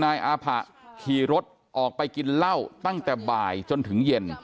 นายอาผะขี่รถออกไปกินเหล้าตั้งแต่บ่ายจนถึงเย็น